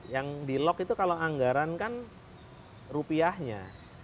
yang di lock itu kalau anggaran kan rupiahnya